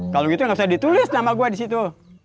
kalau gitu ga usah ditulis nama gua disitu